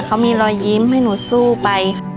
เขามีรอยยิ้มให้หนูสู้ไป